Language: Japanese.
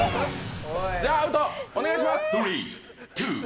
じゃあアウト、お願いします。